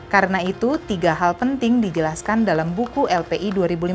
karena itu tiga hal penting dijelaskan dalam buku lpi dua ribu lima belas